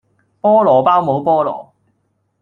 菠蘿包冇菠蘿